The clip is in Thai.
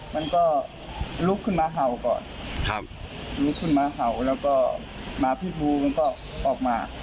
มันก็ลุกขึ้นมาเห่าก่อนครับลุกขึ้นมาเห่าแล้วก็มาพี่บูมันก็ออกมา